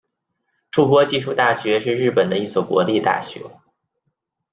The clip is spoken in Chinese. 筑波技术大学是日本的一所国立大学。